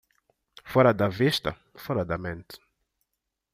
Fora da vista? fora da mente.